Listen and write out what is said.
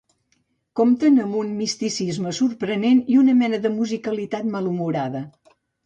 Compten amb un misticisme sorprenent i una mena de musicalitat malhumorada.